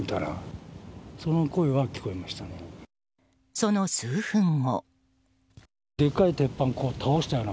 その数分後。